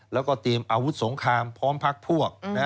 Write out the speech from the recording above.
แล้วก็เตรียมอาวุธสงครามพร้อมพักพวก